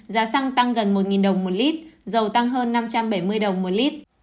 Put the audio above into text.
giá săng tăng gần một đồng một lit dầu tăng hơn năm trăm bảy mươi đồng một lit